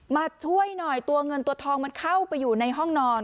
มาช่วยหน่อยตัวเงินตัวทองมันเข้าไปอยู่ในห้องนอน